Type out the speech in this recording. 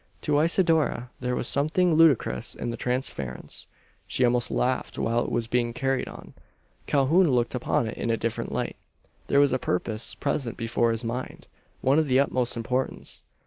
To Isidora there was something ludicrous in the transference. She almost laughed while it was being carried on. Calhoun looked upon it in a different light. There was a purpose present before his mind one of the utmost importance.